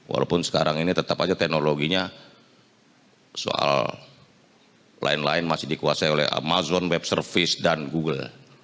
walaupun sekarang ini tetap saja teknologinya soal lain lain masih dikuasai oleh amazon web service dan google